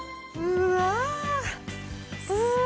うわあ！